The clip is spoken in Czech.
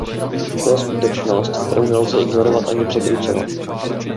To je skutečnost, kterou nelze ignorovat ani překrucovat.